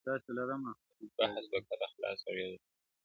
بخت به کله خلاصه غېږه په خندا سي؛